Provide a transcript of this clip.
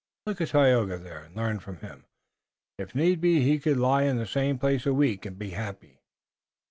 Look at Tayoga there and learn from him. If need be he could lie in the same place a week and be happy."